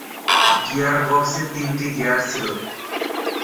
গিয়ারবক্সে তিনটা গিয়ার ছিল।